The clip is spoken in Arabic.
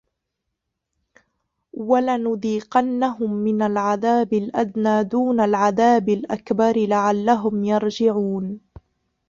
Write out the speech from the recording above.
وَلَنُذيقَنَّهُم مِنَ العَذابِ الأَدنى دونَ العَذابِ الأَكبَرِ لَعَلَّهُم يَرجِعونَ